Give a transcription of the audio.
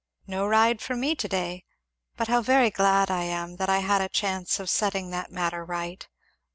"No ride for me to day but how very glad I am that I had a chance of setting that matter right.